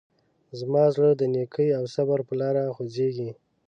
زما زړه د نیکۍ او صبر په لاره خوځېږي.